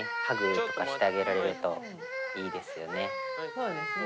そうですね